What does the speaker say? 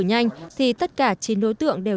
nhanh thì tất cả chín đối tượng đều